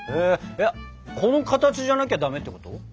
この形じゃなきゃダメってこと？